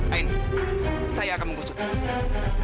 aini saya akan mengusutnya